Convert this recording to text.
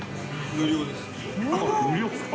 無料ですか？